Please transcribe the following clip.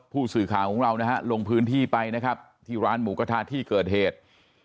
ผู้สื่อข่าวของเรานะฮะลงพื้นที่ไปนะครับที่ร้านหมูกระทะที่เกิดเหตุ